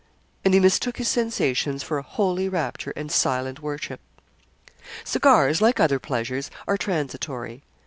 And he mistook his sensations for a holy rapture and silent worship. Cigars, like other pleasures, are transitory.